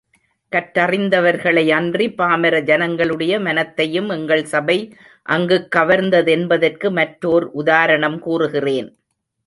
கற்றறிந்தவர்களை அன்றி, பாமர ஜனங்களுடைய மனத்தையும் எங்கள் சபை அங்குக் கவர்ந்ததென்பதற்கு மற்றோர் உதாரணம் கூறுகிறேன்.